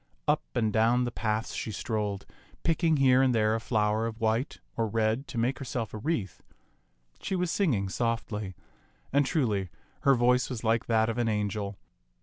Up and down the paths she strolled, picking here and there a flower of white or red to make herself a wreath. She was singing softly; and, truly, her voice was like that of an angel.